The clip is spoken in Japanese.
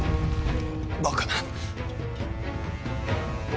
バカな。